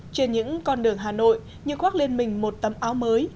trên những con đường hà nội như khoác lên mình một tấm áo mới